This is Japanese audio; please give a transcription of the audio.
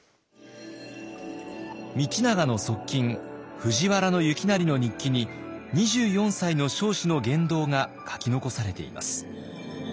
道長の側近藤原行成の日記に２４歳の彰子の言動が書き残されています。